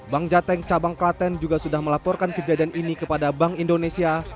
bank jateng cabang klaten juga sudah melaporkan kejadian ini kepada bank indonesia